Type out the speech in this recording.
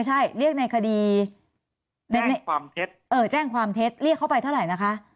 อ่าใช่หรือหมายใช่ในคดีแจ้งความเท็จก็พูดเลยเท่าไหร่นะคะ